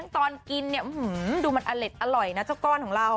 ตอนกินเนี่ยดูมันอเล็ดอร่อยนะเจ้าก้อนของเรา